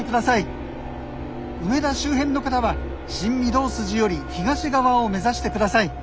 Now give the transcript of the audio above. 梅田周辺の方は新御堂筋より東側を目指してください。